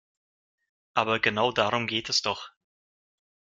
Aber genau darum geht es doch.